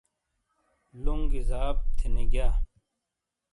لنگ گی زاپ تھے نیگینا۔